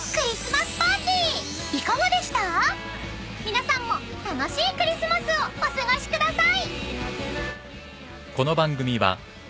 ［皆さんも楽しいクリスマスをお過ごしください］